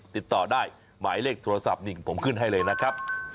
ติดต่อได้หมายเลขโทรศัพท์นี่ผมขึ้นให้เลยนะครับ